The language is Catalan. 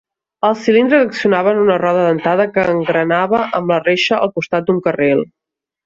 Els cilindres accionaven una roda dentada que engranava amb la reixa al costat d"un carril.